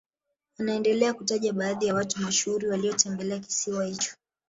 Anaendelea kutaja baadhi ya watu mashuhuri waliotembelea kisiwa hicho